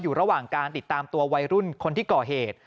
อยู่ระหว่างการติดตามตัววัยรุ่นคนที่ก่อเหตุ